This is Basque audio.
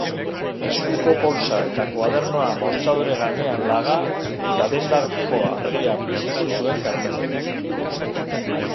Eskuko poltsa eta koadernoa mostradore gainean laga eta dendako argia piztu zuen Karmelek.